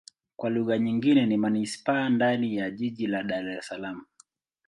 Kwa lugha nyingine ni manisipaa ndani ya jiji la Dar Es Salaam.